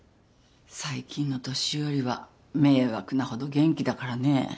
最近の年寄りは迷惑なほど元気だからね。